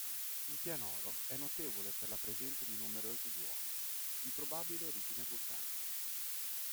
Il pianoro è notevole per la presenza di numerosi duomi, di probabile origine vulcanica.